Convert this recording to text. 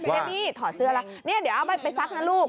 เฮ้นี่ถอดเสื้อละเดี๋ยวเอาไปไปซักนะลูก